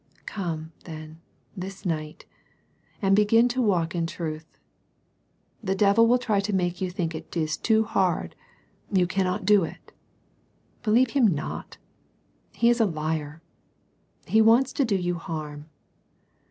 Come, then, this night, and begin to walk in truth. The devil will try to make you think it is too hard, — ^you cannot do it. Believe him not : he is a liar. He wants to do you harm.